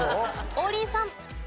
王林さん。